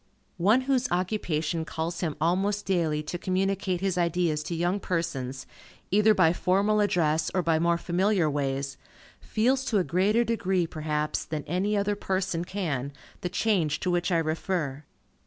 One whose occupation calls him almost daily to communicate his ideas to young persons, either by formal address, or by more familiar ways, feels to a greater degree, perhaps, than any other person can, the change to which I refer.